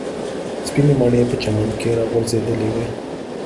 سپینې مڼې په چمن کې راغورځېدلې وې.